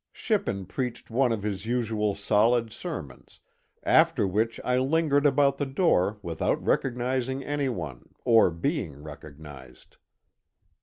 Shippen preached one of his usual solid sermons, after which I lin gered about the door without recognizing any one or being recognized.